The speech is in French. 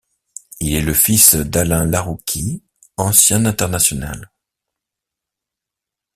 Il est le fils d'Alain Larrouquis, ancien international.